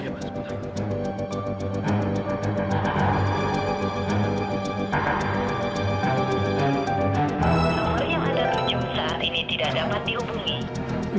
nombor yang ada tujuh saat ini tidak dapat dihubungi